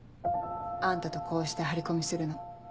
あんたとこうして張り込みするの。